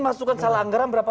masukkan salah anggaran berapa